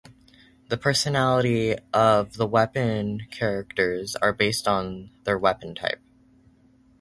The personalities of the weapon characters are based on their weapon type.